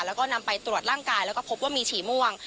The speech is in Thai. แล้วก็นำไปตรวจร่างกายแล้วก็พบว่ามีฉี่ม่วง